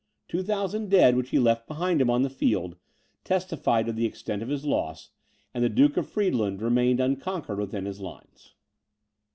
Two thousand dead which he left behind him on the field, testified to the extent of his loss; and the Duke of Friedland remained unconquered within his lines.